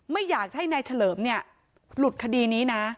ไม่อยากจะให้นายเฉลิมเนี่ยหลุดคดีนี้นะ